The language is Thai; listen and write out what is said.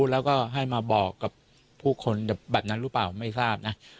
แล้วก็ให้มาบอกกับผู้คนแบบนั้นหรือเปล่าไม่ทราบนะ